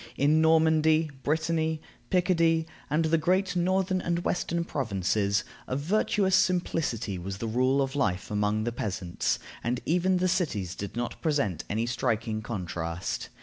In Normandy, Brittany, Picardy, and the great northern and western provinces, a virtuous simplicity was the rule of life among the peasants, and even the cities did not present any striking contrast.